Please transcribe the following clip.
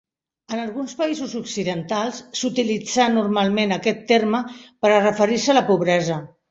En alguns països occidentals, s'utilitzà normalment aquest terme per a referir-se a la pobresa.